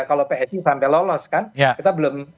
kalau psi sampai lolos kan kita belum